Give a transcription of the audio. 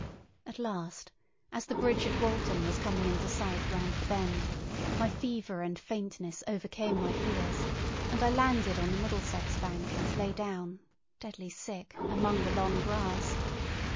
At last, as the bridge at Walton was coming into sight round the bend, my fever and faintness overcame my fears, and I landed on the Middlesex bank and lay down, deadly sick, amid the long grass.